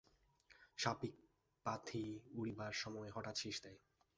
শাপিক পাথি উড়িবার সময় হঠাৎ শিস দেয়।